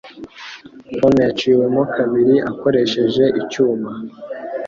Pome yaciwemo kabiri akoresheje icyuma.